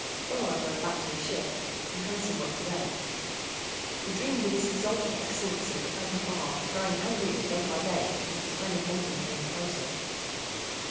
Bullard went back to his ship, and Hansen went to bed. He dreamed of His Exalted Excellency R'thagna Bar, growing angrier day by day as the time of mating came closer.